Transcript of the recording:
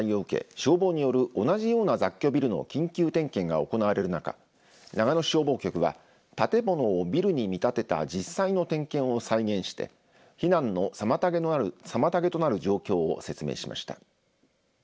消防による同じような雑居ビルの緊急点検が行われる中長野市消防局は建物をビルに見立てた実際の点検を再現して避難の妨げとなる状況を説明しました。